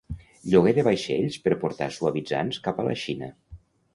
Lloguer de vaixells per portar suavitzants cap a la Xina.